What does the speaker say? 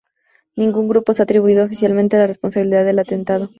Ningún grupo se ha atribuido oficialmente la responsabilidad del atentado.